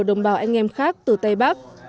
đồng bào anh em khác từ tây bắc